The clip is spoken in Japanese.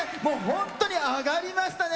本当に、あがりましたね！